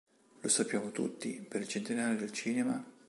Lo sappiamo tutti: per il centenario del Cinema...